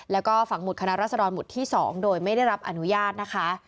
แล้วก็ฝังหุดคณะรัศดรหุดที่๒โดยไม่ได้รับอนุญาตนะคะ